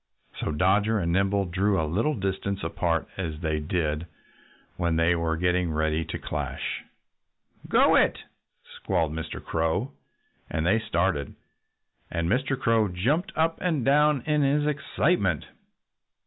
So Dodger and Nimble drew a little distance apart, as they always did when they were getting ready to clash. "Go it!" squalled Mr. Crow. And they started. And Mr. Crow jumped up and down in his excitement.